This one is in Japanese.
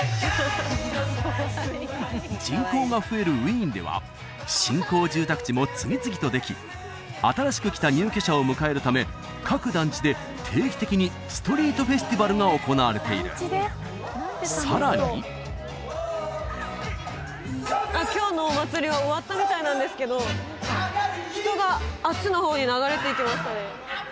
人口が増えるウィーンでは新興住宅地も次々とでき新しく来た入居者を迎えるため各団地で定期的にストリートフェスティバルが行われているさらに今日のお祭りは終わったみたいなんですけど人があっちの方に流れていきましたね